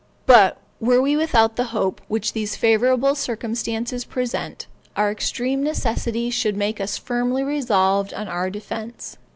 But were we without the hope which these favorable circumstances present, our extreme necessity should make us firmly resolved on our defense.